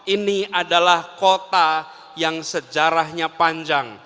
ini adalah kota yang sejarahnya panjang